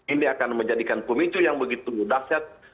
ini akan menjadikan pemicu yang begitu mudah set